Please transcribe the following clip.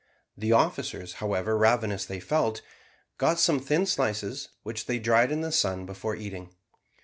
The officers, however ravenous they felt, got some thin slices, which they dried in the sun before eating.